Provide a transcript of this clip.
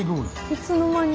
いつの間に。